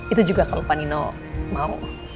itu juga kalau panino mau